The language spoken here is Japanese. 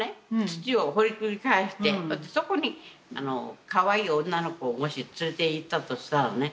土を掘りくり返してそこにかわいい女の子をもし連れていったとしたらね